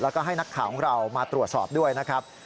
แล้วก็ให้นักข่าวของเรามาตรวจสอบด้วยนะครับ